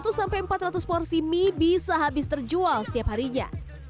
satu sampai empat ratus porsi mie bisa habis terjual setiap harinya